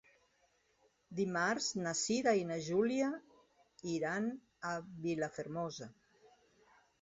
Dimarts na Cira i na Júlia iran a Vilafermosa.